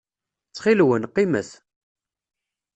Ttxil-wen, qqimet.